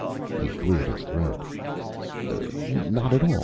He cleared his throat. "Not at all.